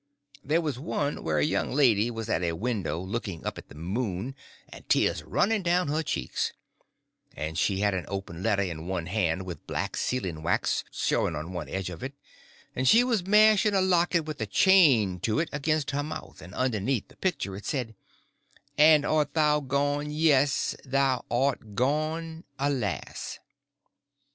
There was one where a young lady was at a window looking up at the moon, and tears running down her cheeks; and she had an open letter in one hand with black sealing wax showing on one edge of it, and she was mashing a locket with a chain to it against her mouth, and underneath the picture it said "And Art Thou Gone Yes Thou Art Gone Alas."